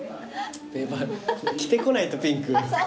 着てこないとピンク。